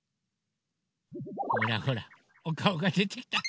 ほらほらおかおがでてきた！